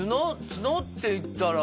角っていったら。